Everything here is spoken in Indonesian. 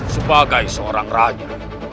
sebagai seorang raja